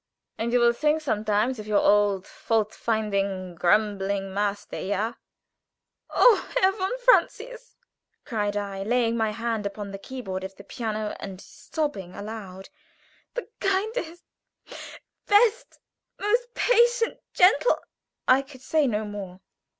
And you will think sometimes of your old, fault finding, grumbling master ja?" "Oh, Herr von Francius!" cried I, laying my hand upon the key board of the piano, and sobbing aloud. "The kindest, best, most patient, gentle " I could say no more.